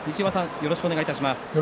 よろしくお願いします。